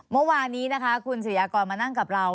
เมื่อวานนี้นะคะคุณสิริยากรมานั่งกับเรา